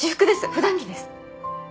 普段着です。